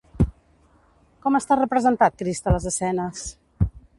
Com està representat Crist a les escenes?